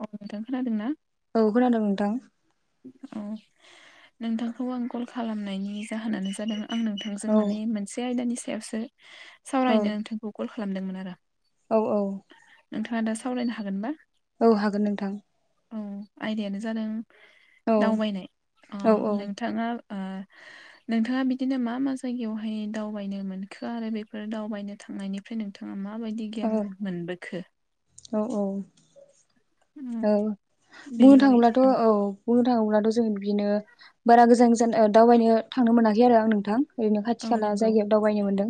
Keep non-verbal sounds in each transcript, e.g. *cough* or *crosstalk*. औ नोंथां खोनादों ना ओं खोनादों नोंथां औ नोंथांखौ आं कल खालामनायनि जाहोनानो जादों आं नोंथांजों औ माने मोनसे आयदानि सायावसो औ सावरायनो नोंथांखौ कल खालामदोंमोन आरो औ औ नोंथाङा दा सावरायनो हागोनबा औ हागोन नोंथां औ आयदायानो जादों औ दावबायनाय औ अह नोंथाङा ओ नोंथाङा बिदिनो मा मा जायगायावहाय दावबायनो मोनखो आरो बेफोर दावबायनो थांनायनिफ्राय नोंथाङा मा माबायदि औ गियान खो? औ औ उम औ बुंनो बेनि बागै थाङोब्लाथ'औ औ बुंनो थाङोब्लाथ' जों बिदिनो बारा गोजान जान दावबायनो थांनो मोनाखै आरो आं नोंथां ओरैनो खाथि औ खाला नंगौ जायगायाव दावबायनो मोन्दों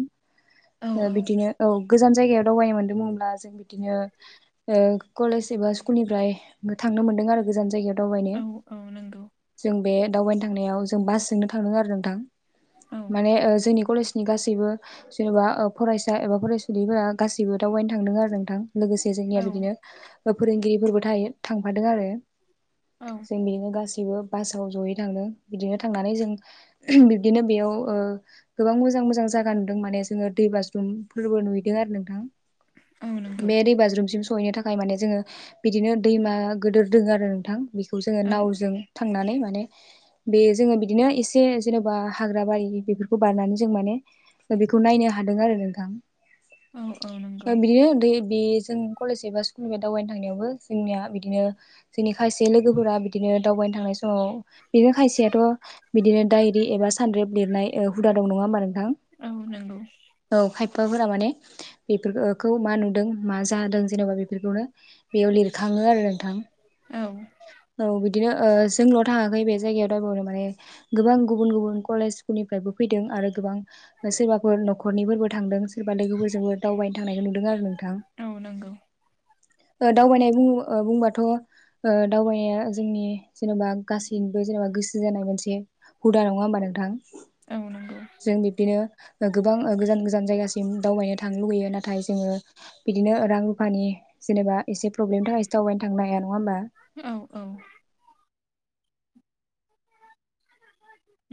औ औ बिदिनो औ गोजान जायगायाव दावबायनो मोनदोंब्ला जों बिदिनो कलेज एबा स्कुलाव स्कुलनिफ्राय थांनो मोनदों आरो गोजान जायगायाव दावबायनो औ औ नंगौ। जों बे दावबायनो थांनायाव जों बासजोंनो थां आरो नोंथां औ माने ओ जोंनि कलेज नि गासैबो जेनबा फरायसा एबा फरायसुलिफोरा गासैबो दावबायनो थांदों आरो नोंथां लोगोसे जोंनिया औ बिदिनो फोरोंगिरिफोरबो थायो थांफादों आरो औ जोंनिनो गासैबो जोङो बासाव जयै थांनो बिदिनो थांनानै जों बिबदिनो बेयाव गोबां मोजां मोजां मोजां जायगा नुदों माने जोङो दै बाज्रुमफोरबो नुहैदों आरो नोंथां। औ नंगौ बे दैबाज्रुमसिम सहैनो थाखाय माने जोङो बिदिनो दैमा गोदोर दोङ आरो नोंथां बेखौ जोङो औ नावजों थांनानै माने बे जोङो बिदिनो एसे जेन'बा हाग्रा बारि बेफोरखौ बारनानै जों माने बेखौ नायनो हादों आरो नोंथां औ औ नंगौ। बिदिनो दै बे जों कलेज एबा स्कुलनिफ्राय दावबायनो थांनायावबो जोंनिया बिदिनो जोंनि खायसे लोगोफोरा बिदिनो दावबायनो थांनाय समाव बिदिनो खायसेयाथ' बिदिनो डायरि एबा सानद्रेब लिरनाय हुदा दं नङा होनबा नों नोंथां औ नंगौ औ हा माफोरा माने बेफोरखौ मा नुदों मा जादों जेनेबा बेफोरखौनो बेयाव लिर खाङो आरो नोंथां। औ औ बिदि दिनो जोंल' थाङाखै बे जायगायाव दायबावनो। माने गोबां गुबुन गुबुन कलेज स्कुलनिफ्रायबो फैदों आरो गोबां सोरबाफोर न'खरनिफोरबो थांदों सोरबा लोगोफोरजोंबो दावबायनो थांनायखौ नुबैदों आरो नोंथां। औ नंगौ *inaudible* दावबायनाय बुङो-बुंबाथ' ओ दावबायनाया जोंनि जेनेबा गासैबो जेनेबा गोसो जानाय मोनसे हुदा नङा होमबा नोंथां? औ नंगौ जों बिब्दिनो गोबां गोजान गोजान जायगासिम दावबायनो थांनो लुुबैयो। नाथाय जोङो बिदिनो रां रुफानि जेनेबा एसे प्रब्लेमनि थाखायसोथावबायनो थांनो हाया नङा होमबा? औ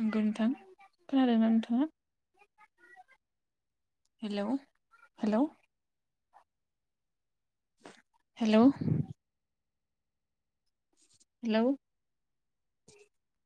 नंगौ नोंथां खोनादों ना नोंथाङा? Hello hello. हेलौ। हेलौ। *inaudible*